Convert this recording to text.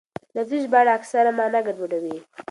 لفظي ژباړه اکثره مانا ګډوډوي.